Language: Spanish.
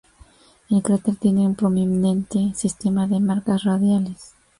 El cráter tiene un prominente sistema de marcas radiales.